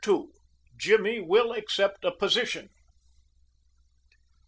JIMMY WILL ACCEPT A POSITION.